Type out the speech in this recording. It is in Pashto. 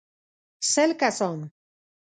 سل کسان.